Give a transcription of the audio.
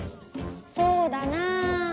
そうだなあ。